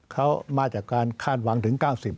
เขามาจากการคาดหวังถึง๙๐ก็ได้นะ